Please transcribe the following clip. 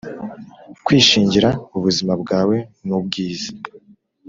kwishingira ubuzima bwawe nubwiza.